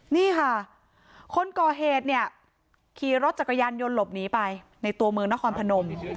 นี่ค่ะคนก่อเหตุเนี่ยขี่รถจักรยานยนต์หลบหนีไปในตัวเมืองนครพนม